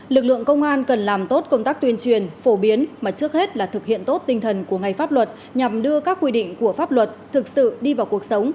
lực lượng công an cần làm tốt công tác tuyên truyền phổ biến mà trước hết là thực hiện tốt tinh thần của ngày pháp luật nhằm đưa các quy định của pháp luật thực sự đi vào cuộc sống